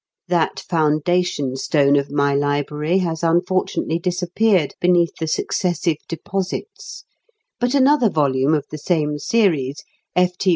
That foundation stone of my library has unfortunately disappeared beneath the successive deposits, but another volume of the same series, F.T.